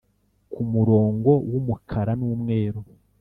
kumurongo wumukara n'umweru